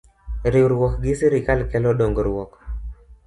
Riwruok gi Sirkal kelo dongruok